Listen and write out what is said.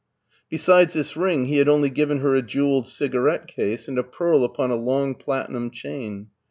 Besides this ring he had only given her a jewelled cigarette case and a pearl upon a long platinum chain.